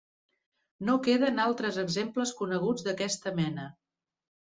No queden altres exemples coneguts d'aquesta mena.